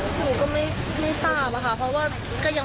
ตอนนี้แม่ได้สติยัง